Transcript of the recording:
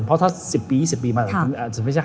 เพราะถ้า๑๐๒๐ปีมาอาจจะไม่ใช่๕๒๕